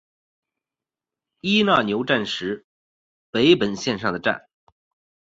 伊奈牛站石北本线上的站。